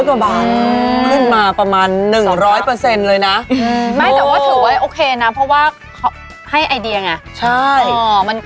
เคยมีวันแต่งเป็นที่มีมาที่ร้านมั้ย